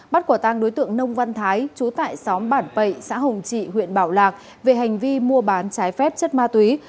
bắt quả tang đối tượng nông văn thái chú tại xóm bản bậy xã hồng trị huyện bảo lạc về hành vi mua bán trái phép chất ma túy